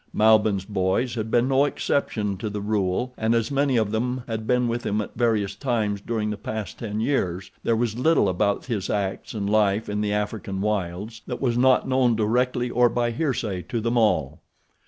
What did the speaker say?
Malbihn's boys had been no exception to the rule and as many of them had been with him at various times during the past ten years there was little about his acts and life in the African wilds that was not known directly or by hearsay to them all.